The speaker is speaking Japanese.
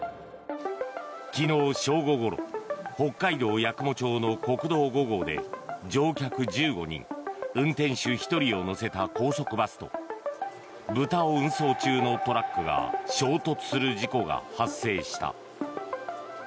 昨日正午ごろ北海道八雲町の国道５号で乗客１５人、運転手１人を乗せた高速バスと豚を運送中のトラックが衝突する事故が発生した。